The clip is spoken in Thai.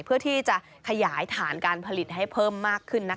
เพื่อที่จะขยายฐานการผลิตให้เพิ่มมากขึ้น